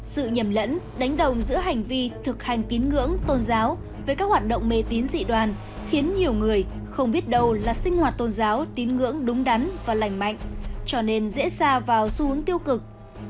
sự nhầm lẫn đánh đồng giữa hành vi thực hành tín ngưỡng tôn giáo với các hoạt động mê tín dị đoàn khiến nhiều người không biết đâu là sinh hoạt tôn giáo tín ngưỡng đúng đắn và lành mạnh cho nên dễ ra vào xu hướng tiêu cực